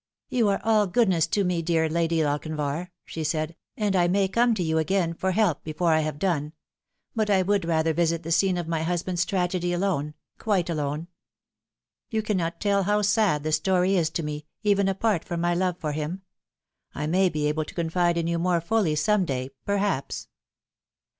" You are all goodness to me, dear Lady Lochinvar," she said, " and I may come to you again for help before I have done ; but I would rather visit the scene of my husband's tragedy alone quite alone. You cannot tell how sad the story is to me, even apart from my love for him. I may be able to confide in you more fully some day, perhaps."